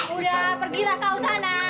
udah pergilah kau sana